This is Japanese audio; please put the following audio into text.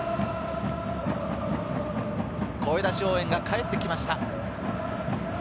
声出し応援が帰ってきました。